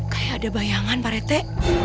kayak ada bayangan pak rete